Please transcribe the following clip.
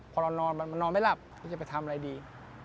พอเรานอนมันนอนไม่หลับมันจะไปทำอะไรดี